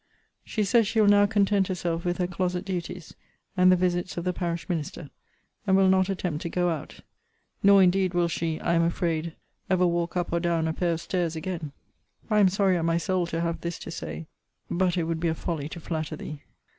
She says she will now content herself with her closet duties, and the visits of the parish minister; and will not attempt to go out. Nor, indeed, will she, I am afraid, ever walk up or down a pair of stairs again. I am sorry at my soul to have this to say: but it would be a folly to flatter thee.